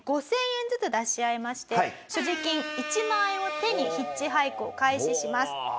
５０００円ずつ出し合いまして所持金１万円を手にヒッチハイクを開始します。